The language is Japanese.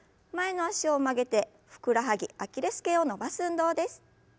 前の脚を曲げてふくらはぎアキレス腱を伸ばす運動です。